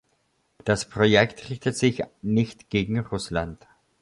Das Projekt richtet sich nicht gegen Russland.